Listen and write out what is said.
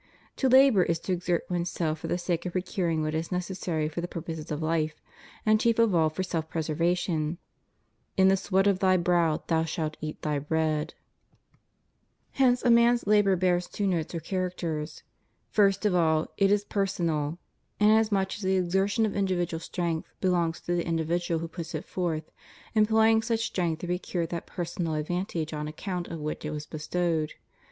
To labor is to exert one's self for the sake of procuring what is neces sary for the purposes of life, and chief of all for self preser vation. In the sweat of thy brow thou shalt eat thy bread} ^ Genesis iii. 19. 236 CONDITION OF THE WORKING CLASSES. Hence a man's labor bears two notes or characters. First of all, it is personal, inasmuch as the exertion of individual strength belongs to the individual who puts it forth, employing such strength to procure that personal ad vantage on account of which it was bestowed.